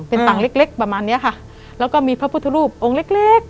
เป็นต่างเล็กเล็กประมาณเนี้ยค่ะแล้วก็มีพระพุทธรูปองค์เล็กเล็ก